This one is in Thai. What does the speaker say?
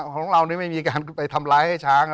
ของเรานี่ไม่มีการไปทำร้ายให้ช้าง